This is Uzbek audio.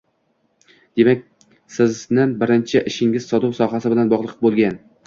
— Demak, sizni birinchi ishingiz sotuv sohasi bilan bogʻliq boʻlgan?